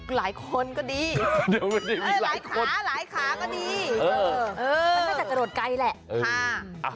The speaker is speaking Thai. หลายคนก็ดีหลายขาก็ดีมันก็จะโดดไกลแหละค่ะ